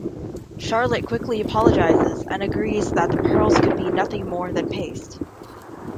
Charlotte quickly apologizes and agrees that the pearls could be nothing more than paste.